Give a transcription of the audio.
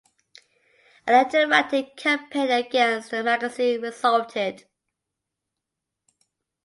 A letter writing campaign against the magazine resulted.